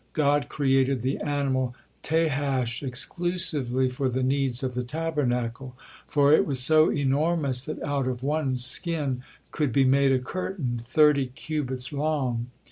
God created the animal Tahash exclusively for the needs of the Tabernacle, for it was so enormous that out of one skin could be made a curtain, thirty cubits long.